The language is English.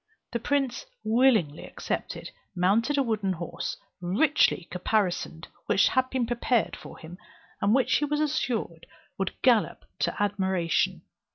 The prince willingly accepted, mounted a wooden horse, richly caparisoned, which had been prepared for him, and which he was assured would gallop to admiration.